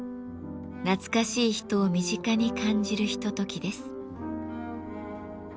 懐かしい人を身近に感じるひとときです。